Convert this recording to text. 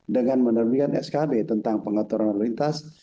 dengan menerbitkan skb tentang pengaturan lalu lintas